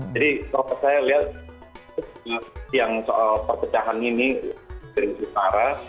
kalau saya lihat yang soal perpecahan ini dari utara